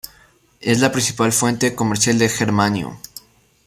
Es la principal fuente comercial de germanio.